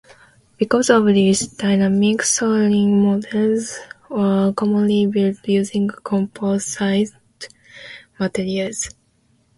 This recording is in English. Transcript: Because of this, dynamic soaring models are commonly built using composite materials.